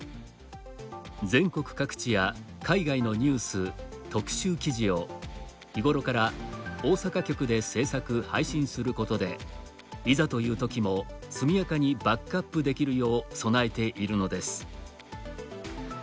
全国各地や海外のニュース特集記事を、日頃から大阪局で制作・配信することでいざというときも速やかにバックアップできるよう備えているのです。